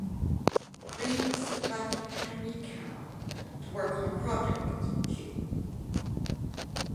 Greaves left Henry Cow to work on a project, Kew.